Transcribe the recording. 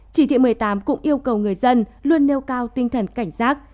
chỉ thị một mươi tám cũng yêu cầu người dân luôn nêu cao tinh thần cảnh giác